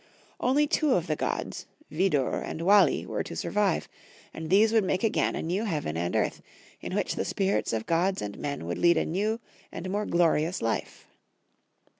Only two of the gods, Vidiu* and Wall, were to survive, and these would make again a new heaven and earth, in which the spirits of gods and men would lead a new and more glo rious life.